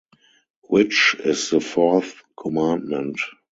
Which is the fourth commandment?